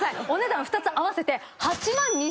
お値段２つ合わせて。